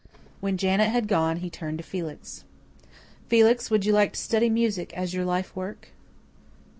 When Janet had gone, he turned to Felix. "Felix, would you like to study music as your life work?"